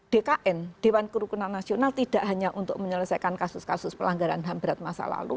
dkn dewan kerukunan nasional tidak hanya untuk menyelesaikan kasus kasus pelanggaran ham berat masa lalu